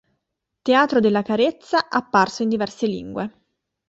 Teatro della carezza," apparso in diverse lingue.